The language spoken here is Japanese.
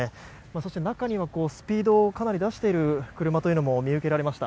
そして、中にはスピードをかなり出している車というのも見受けられました。